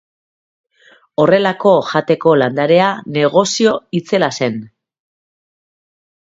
Horrelako jateko landarea negozio itzela zen.